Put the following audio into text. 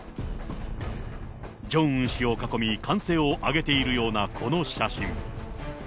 ジョンウン氏を囲み、歓声を上げているようなこの写真。